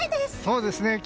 そうですね。